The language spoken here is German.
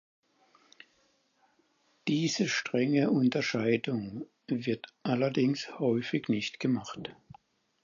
Diese strenge Unterscheidung wird allerdings häufig nicht gemacht.